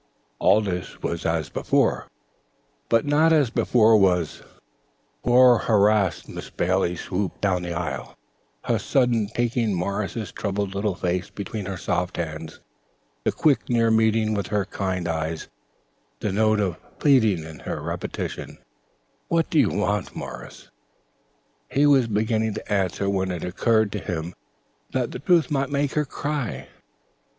All this was as before, but not as before was poor harassed Miss Bailey's swoop down the aisle, her sudden taking Morris's troubled little face between her soft hands, the quick near meeting with her kind eyes, the note of pleading in her repetition: "What do you want, Morris?" He was beginning to answer when it occurred to him that the truth might make her cry.